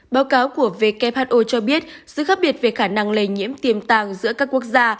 báo cáo của who cho biết sự khác biệt về khả năng lây nhiễm tiềm tàng giữa các quốc gia